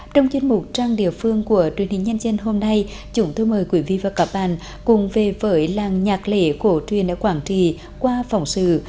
trong chuyên mục trang địa phương của truyền hình nhân dân hôm nay chúng tôi mời quý vị và các bạn cùng về với làng nhạc lễ cổ truyền ở quảng trì qua phỏng sự